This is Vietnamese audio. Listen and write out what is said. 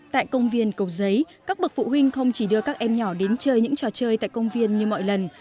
tại công viên cầu giấy các bậc phụ huynh không chỉ đưa các em nhỏ đến chơi những trò chơi tại công viên như mọi lần